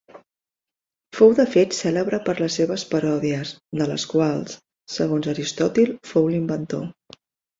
Fou de fet cèlebre per les seves paròdies, de les quals, segons Aristòtil, fou l'inventor.